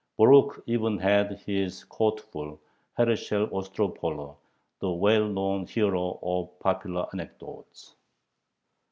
Borukh even had his court fool, Herschel Ostropoler, the well known hero of popular anecdotes.